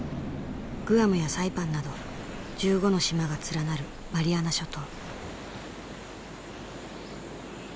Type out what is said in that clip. グアムやサイパンなど１５の島が連なるマリアナ諸島。